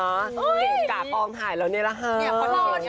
เก่งกะฟองถ่ายแล้วเนี่ยแหละฮะ